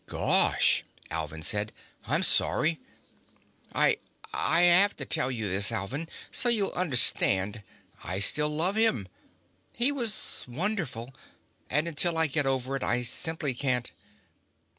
"Gosh," Alvin said. "I'm sorry." "I I have to tell you this, Alvin, so you'll understand. I still love him. He was wonderful. And until I get over it, I simply can't